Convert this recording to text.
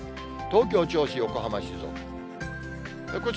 東京、銚子、横浜、静岡。